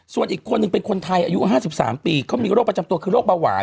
ส่วนอีกคนหนึ่งเป็นคนไทยอายุ๕๓ปีเขามีโรคประจำตัวคือโรคเบาหวาน